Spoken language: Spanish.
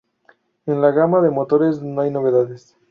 En la gama de motores no hay novedades.